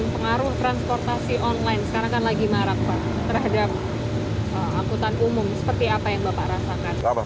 pengaruh transportasi online sekarang kan lagi marak pak terhadap angkutan umum seperti apa yang bapak rasakan